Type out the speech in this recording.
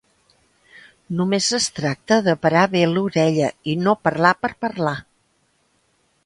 Només es tracta de parar bé l'orella i no parlar per parlar.